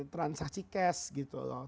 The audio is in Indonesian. transaksi cash gitu loh